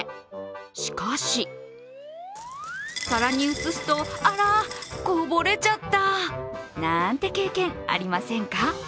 しかし皿に移すと、あらっ、こぼれちゃったなーんて経験、ありませんか？